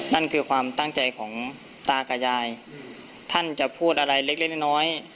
นั่นคือความตั้งใจของตากับยายท่านจะพูดอะไรเล็กน้อย